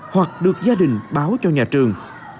hoặc được gia đình báo cho nhà trường